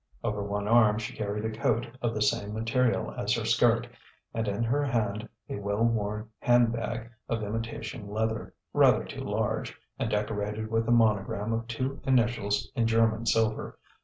Over one arm she carried a coat of the same material as her skirt, and in her hand a well worn handbag of imitation leather, rather too large, and decorated with a monogram of two initials in German silver.